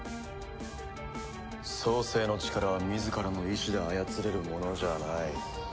創世の力は自らの意志で操れるものじゃない。